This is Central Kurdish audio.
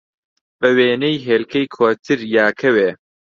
بە وێنەی هێلکەی کۆتر، یا کەوێ